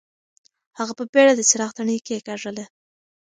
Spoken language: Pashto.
هغه په بېړه د څراغ تڼۍ کېکاږله.